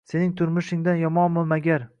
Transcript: Sening turmushingdan yomonmi magar?